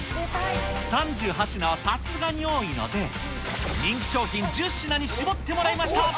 ３８品はさすがに多いので、人気商品１０品に絞ってもらいました。